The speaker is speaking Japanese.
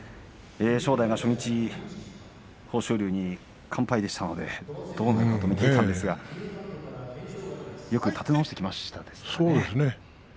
正代が初日、豊昇龍に完敗でしたのでどうなるかと見ていまししたがよく立て直してきましたね。